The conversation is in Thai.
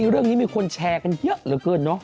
เรื่องนี้มีคนแชร์กันเยอะเกินเหรอ